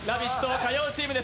火曜チームです。